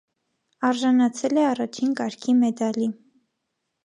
Արժանացել է առաջին կարգի մեդալի։